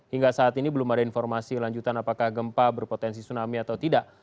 hingga saat ini belum ada informasi lanjutan apakah gempa berpotensi tsunami atau tidak